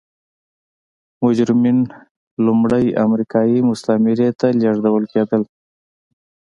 مجرمین لومړی امریکايي مستعمرې ته لېږدول کېدل.